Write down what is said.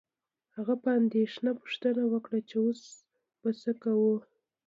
هغه په اندیښنه پوښتنه وکړه چې اوس به څه کوو